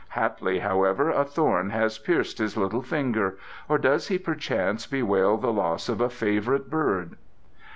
Haply, however, a thorn has pierced his little finger, or does he perchance bewail the loss of a favourite bird?"